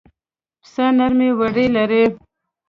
پسه نرمې وړۍ لري.